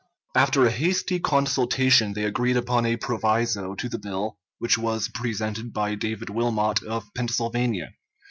After a hasty consultation they agreed upon a proviso to the bill, which was presented by David Wilmot, of Pennsylvania.